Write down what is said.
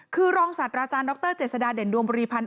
คือรองศาสตราจารย์ดรเจษฎาเด่นดวงบริพันธ์